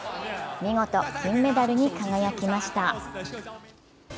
見事、金メダルに輝きました。